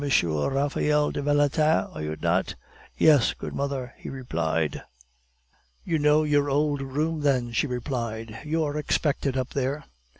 Raphael de Valentin, are you not?" "Yes, good mother," he replied. "You know your old room then," she replied; "you are expected up there."